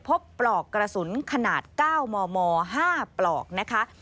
ปลอกกระสุนขนาด๙มม๕ปลอกนะคะ